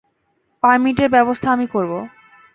পারমিটের ব্যবস্থা আমি করব।